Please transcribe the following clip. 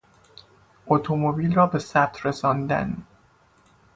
اتومبیل را به ثبت رساندن